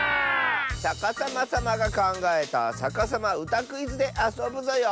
さかさまさまがかんがえた「さかさまうたクイズ」であそぶぞよ！